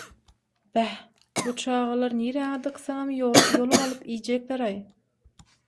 – Bäh, bu çagalar niräňe dyksaňam ýolup alyp iýjekler-aý.